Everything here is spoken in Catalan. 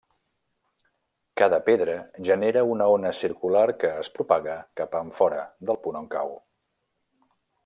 Cada pedra genera una ona circular que es propaga cap enfora del punt on cau.